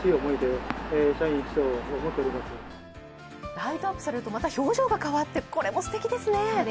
ライトアップするとまた表情が変わって、またすてきですね。